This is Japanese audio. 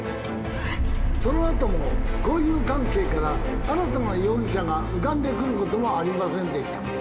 その後も交友関係から新たな容疑者が浮かんでくることもありませんでした。